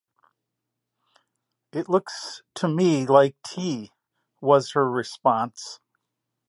"It looks to me like tea," was her response.